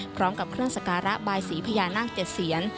พร้อมกับเครื่องสการะบายสีพญานาค๗เสียน